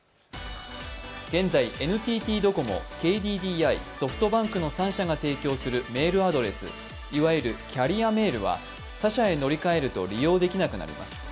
現在、ＮＴＴドコモ、ＫＤＤＩ、ソフトバンクの３社が提供するメールアドレス、いわゆるキャリアメールは他社へ乗り換えると利用できなくなります。